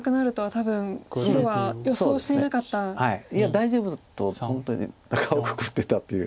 大丈夫と本当にたかをくくってたという。